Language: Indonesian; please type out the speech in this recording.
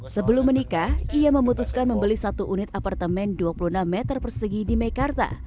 sebelum menikah ia memutuskan membeli satu unit apartemen dua puluh enam meter persegi di mekarta